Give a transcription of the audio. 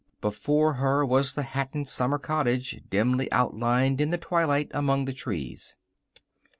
Before her was the Hatton summer cottage, dimly outlined in the twilight among the trees.